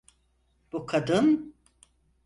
Bu kadın…